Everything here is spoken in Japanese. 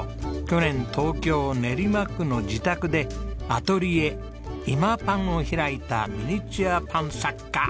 去年東京練馬区の自宅でアトリエ「ｉｍａｐａｎ」を開いたミニチュアパン作家